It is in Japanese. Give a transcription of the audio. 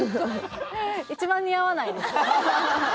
一番似合わないです